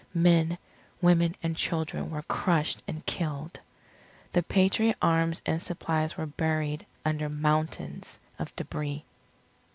Men, women, and children were crushed and killed. The Patriot arms and supplies were buried under mountains of débris.